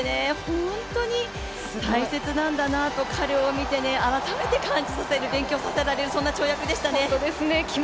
本当に大切なんだなと、彼を見て改めて感じさせられる、勉強させられる跳躍でしたね。